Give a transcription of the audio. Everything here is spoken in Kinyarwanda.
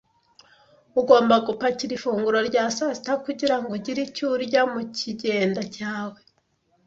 Ugomba gupakira ifunguro rya sasita kugirango ugire icyo urya mukigenda cyawe